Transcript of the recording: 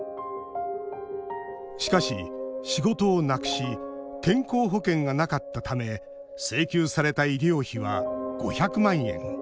しかし、仕事をなくし健康保険がなかったため請求された医療費は５００万円。